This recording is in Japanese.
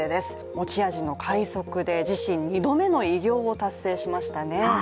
持ち味の快速で自身２度目の偉業を達成しましたね。